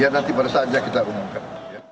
ya nanti pada saatnya kita umumkan